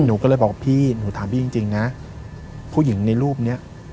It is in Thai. หนูก็เลยบอกพี่หนูถามพี่จริงนะผู้หญิงในรูปนี้